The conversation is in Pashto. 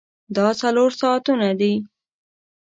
دا څلور ساعتونه دي.